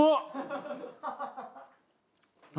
何？